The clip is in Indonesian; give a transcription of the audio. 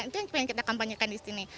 itu yang kita kampanyekan di sini